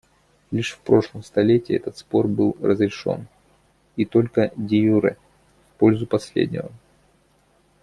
Лишь в прошлом столетии этот спор был разрешен — и только деюре — в пользу последнего.